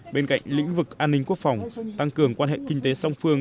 bên cạnh lĩnh vực an ninh quốc phòng tăng cường quan hệ kinh tế song phương